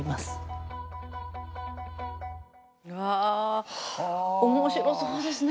うわ面白そうですね。